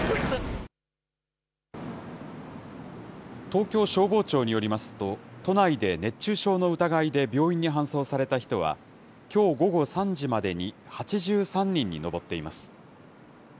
東京消防庁によりますと、都内で熱中症の疑いで病院に搬送された人は、きょう午後３時までに８３人に上っています。